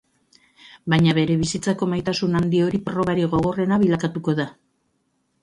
Baina bere bizitzako maitasun handi hori probarik gogorrena bilakatuko da.